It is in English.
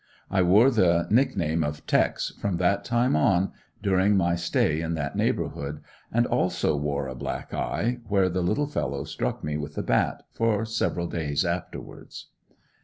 I wore the nick name of "Tex" from that time on, during my stay in that neighborhood; and also wore a black eye, where the little fellow struck me with the bat, for several days afterwards.